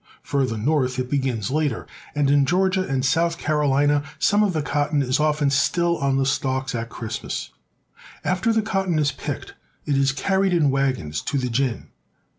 Farther north it begins later, and in Georgia and South Carolina some of the cotton is often still on the stalks at Christmas. ■^ After the cotton is picked it is carried in wagons to the gin.